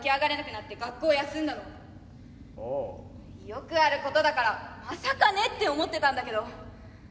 よくあることだからまさかねって思ってたんだけど。